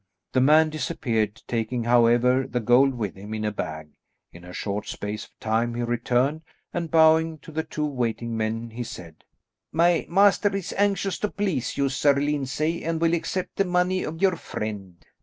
The man disappeared, taking, however, the gold with him in a bag. In a short space of time he returned and bowing to the two waiting men he said, "My master is anxious to please you, Sir Lyndsay, and will accept the money of your friend."